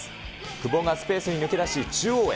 久保がスペースに抜け出し、中央へ。